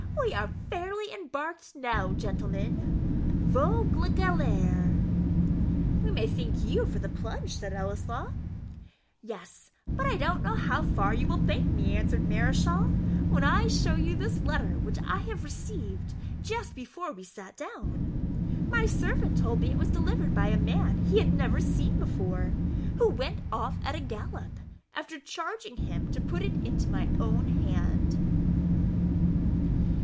we are fairly embarked now, gentlemen VOGUE LA GALERE!" "We may thank you for the plunge," said Ellieslaw. "Yes; but I don't know how far you will thank me," answered Mareschal, "when I show you this letter which I received just before we sat down. My servant told me it was delivered by a man he had never seen before, who went off at the gallop, after charging him to put it into my own hand."